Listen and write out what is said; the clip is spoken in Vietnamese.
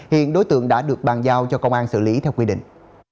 hiện đối tượng đã được bàn giao cho công an xử lý theo quy định